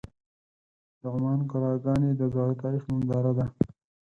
د عمان قلعهګانې د زاړه تاریخ ننداره ده.